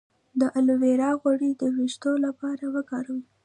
د الوویرا غوړي د ویښتو لپاره وکاروئ